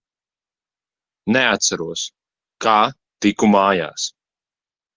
Neatceros, kā tiku mājās.